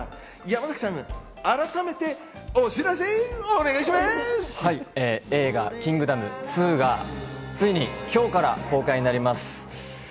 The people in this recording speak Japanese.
山崎さん、改めてお知らせをお願映画『キングダム２』がついに今日から公開になります。